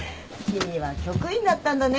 君は局員だったんだね。